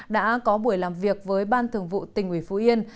đã có buổi làm việc với ban thường vụ tỉnh ủy phú yên